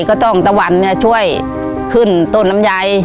ก็ต้องตะวันช่วยขึ้นต้นลำไย